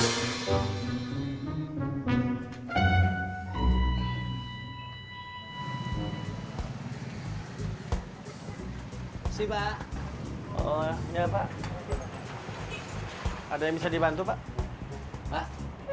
hai siva oh ya pak ada yang bisa dibantu pak pak